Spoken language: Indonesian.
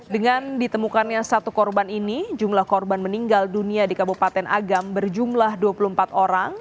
dengan ditemukannya satu korban ini jumlah korban meninggal dunia di kabupaten agam berjumlah dua puluh empat orang